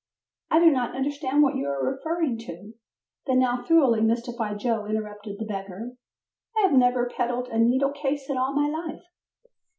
"I do not understand what you are referring to," the now thoroughly mystified Joe interrupted the beggar, "I have never peddled a needle case in all my life."